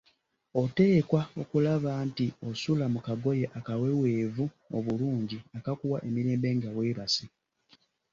Oteekwa okulaba nti osula mu kagoye akaweweevu obulungi akakuwa emirembe nga weebase.